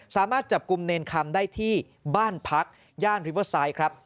สามารถจับกลุ่มเนรคำได้ที่บ้านพักย่านริเวอร์ไซต์ครับ